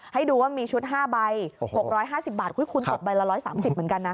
ให้ดูว่ามีชุด๕ใบ๖๕๐บาทคุณตกใบละ๑๓๐เหมือนกันนะ